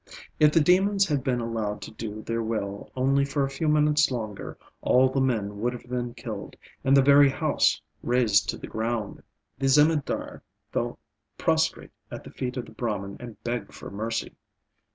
If the demons had been allowed to do their will only for a few minutes longer, all the men would have been killed, and the very house razed to the ground. The Zemindar fell prostrate at the feet of the Brahman and begged for mercy.